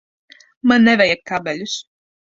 Man nevajag kabeļus.